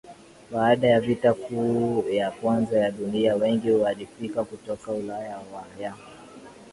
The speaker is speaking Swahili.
Baada ya Vita Kuu ya Kwanza ya Dunia wengi walifika kutoka Ulaya ya